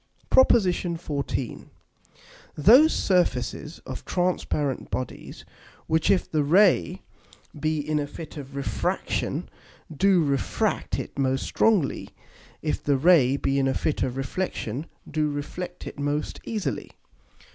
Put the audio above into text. PROP. XIV. _Those Surfaces of transparent Bodies, which if the Ray be in a Fit of Refraction do refract it most strongly, if the Ray be in a Fit of Reflexion do reflect it most easily.